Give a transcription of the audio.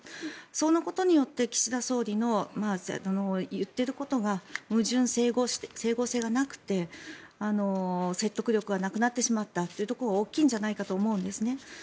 そのことによって岸田総理の言っていることが矛盾、整合性がなくて説得力がなくなってしまったというところが大きいんじゃないかと思うんですね。